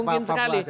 sangat mungkin sekali